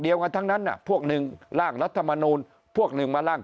กันทั้งนั้นพวกหนึ่งร่างรัฐมนูลพวกหนึ่งมาล่าง